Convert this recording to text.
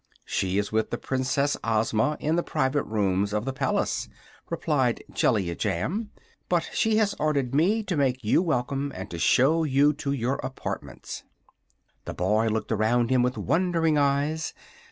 "She is with the Princess Ozma, in the private rooms of the palace," replied Jellia Jamb. "But she has ordered me to make you welcome and to show you to your apartments." The boy looked around him with wondering eyes.